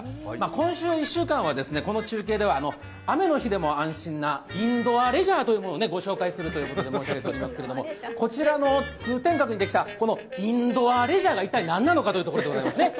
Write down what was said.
今週１週間はこの中継では雨の日でも安心なインドアレジャーということで御紹介するということで申し上げておりますけれども、こちらの通天閣にできた、このインドアレジャーが一体何なのかというところでございますね。